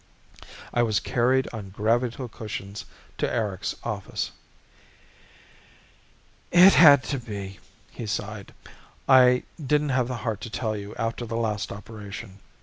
I was carried on gravito cushions to Erics' office. "It had to be," he sighed. "I didn't have the heart to tell you after the last operation.